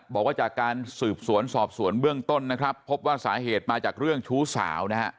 บอกว่าจากการสืบสวนสอบสวนเบื้องต้นนะครับพบว่าสาเหตุมาจากเรื่องชู้สาวนะฮะ